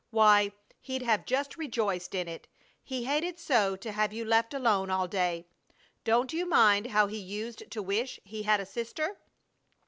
Why he'd have just rejoiced in it! He hated so to have you left alone all day. Don't you mind how he used to wish he had a sister?